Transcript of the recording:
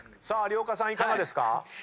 さあ有岡さんいかがですか？